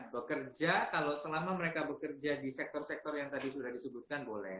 bekerja kalau selama mereka bekerja di sektor sektor yang tadi sudah disebutkan boleh